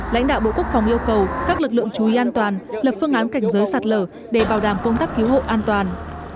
lãnh đạo bộ quốc phòng yêu cầu các lực lượng chú ý an toàn lập phương án cảnh giới sạt lở để bảo đảm công tác cứu hộ an toàn